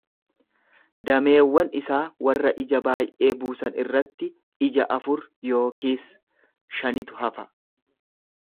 Dameewwan isaa warra ija baay'ee buusan irratti ija afur yookiis shanitu hafa.